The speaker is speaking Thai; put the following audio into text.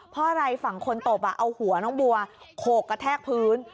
เพราะอะไรฝั่งคนตบเอาหัวน้องบัวโขกกระแทกพื้น